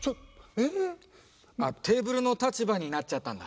あっテーブルの立場になっちゃったんだ。